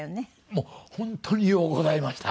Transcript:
もう本当にようございました。